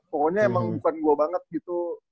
pokoknya emang bukan gue banget gitu